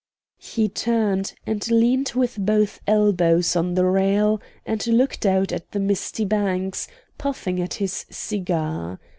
He turned, and leaned with both elbows on the rail, and looked out at the misty banks, puffing at his cigar.